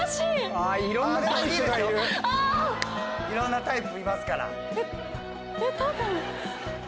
いろんなタイプいますから。